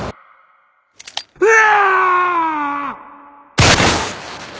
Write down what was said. うわ！